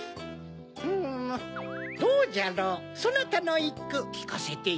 ふむどうじゃろうそなたのいっくきかせてよ。